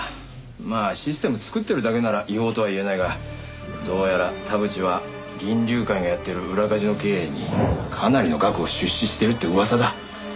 まあシステム作ってるだけなら違法とは言えないがどうやら田淵は銀龍会がやってる裏カジノ経営にかなりの額を出資してるって噂だ。